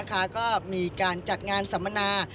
ก็มีการจัดงานสัมมนา